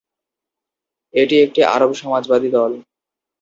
এটি একটি আরব সমাজবাদী দল।